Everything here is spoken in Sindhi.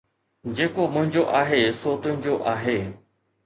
جيڪو منهنجو آهي سو تنهنجو آهي